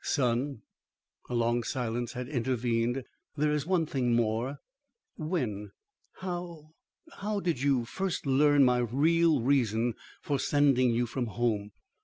"Son," a long silence had intervened, "there is one thing more. When how did you first learn my real reason for sending you from home?